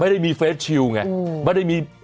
ไม่ได้มีเฟสชิลไงไม่ได้มี